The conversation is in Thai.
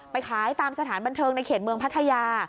ไปขายตามสถานบันเทิงในเขตเมืองพัทยา